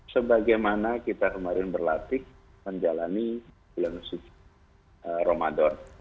sebagaimana kita kemarin berlatih menjalani ilhamusis ramadan